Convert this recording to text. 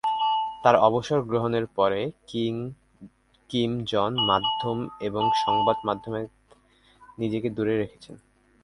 তার অবসর গ্রহণের পরে, কিম জন মাধ্যম এবং সংবাদ মাধ্যমের নিজেকে দূরে রেখেছেন।